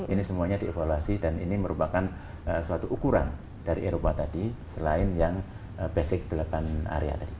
ini semuanya dievaluasi dan ini merupakan suatu ukuran dari eropa tadi selain yang basic delapan area tadi